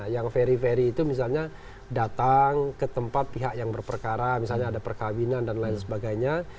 yang ferry ferry itu misalnya datang ke tempat pihak yang berperkara misalnya ada perkawinan dan lain sebagainya